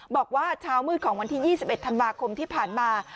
บอกว่าเช้ามืดของวันที่๒๑ธันวาคมที่ผ่านมา